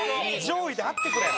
上位であってくれ。